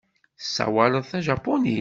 Tessawaleḍ tajapunit?